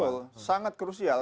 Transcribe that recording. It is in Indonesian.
betul sangat krusial